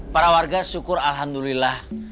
para warga syukur alhamdulillah